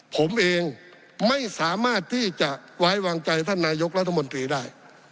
ผมเองไม่สามารถที่จะไว้วางใจท่านนายกรัฐมนตรีได้